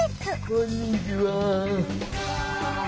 こんにちは。